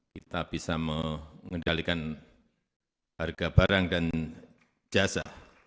kita bisa mengendalikan harga barang dan jasa